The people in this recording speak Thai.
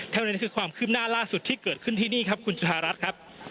นี่คือความคืบหน้าล่าสุดที่เกิดขึ้นที่นี่ครับคุณจุธารัฐครับ